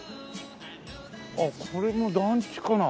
あっこれも団地かな？